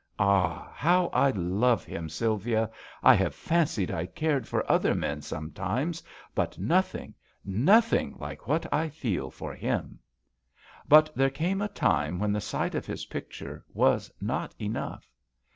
Ah ! how I love him, Sylvia ! I have fancied I cared for other men sometimes, but nothing, nothing like what I feel for him." But there came a time when the sight of his picture was not enough.